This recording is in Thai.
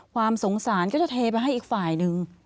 ความสงสารก็จะเทไปให้อีกฝ่ายนึง